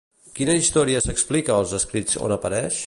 Quina història s'explica als escrits on apareix?